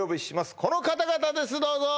この方々ですどうぞ！